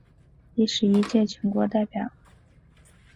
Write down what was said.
第十一届全国人大代表。